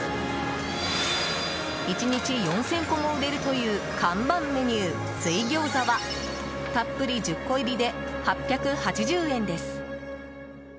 １日４０００個も売れるという看板メニュー、水餃子はたっぷり１０個入りで８８０円です。